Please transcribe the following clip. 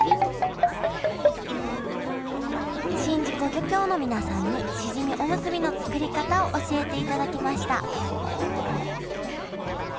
宍道湖漁協の皆さんにしじみおむすびの作り方を教えていただきましたはあ！